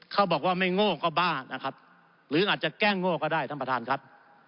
เขาบอกว่าไม่โง่ก็บ้านะครับหรืออาจจะแกล้งโง่ก็ได้ท่านประธานครับ